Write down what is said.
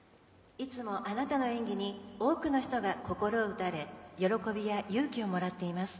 いつもあなたの演技に多くの人が心を打たれ喜びや勇気をもらっています。